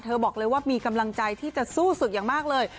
บอกเลยว่ามีกำลังใจที่จะสู้ศึกอย่างมากเลย